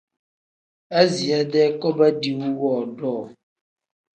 Aziya-dee koba diiwu woodoo.